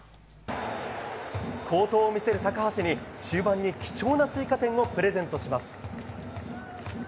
好投を見せる高橋に終盤に貴重な追加点をプレゼントします。